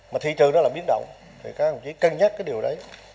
mà thị trường đó là biến động người ta không chỉ cân nhắc cái điều đấy